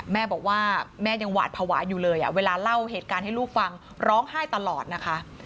แม่บอกว่าแม่ยังหวาดภาวะอยู่เลยเวลาเล่าเหตุการณ์ให้ลูกฟังร้องไห้ตลอดนะคะ